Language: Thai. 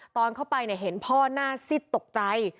ตอนเข้าไปเห็นพ่อหน้าซิดตกใจ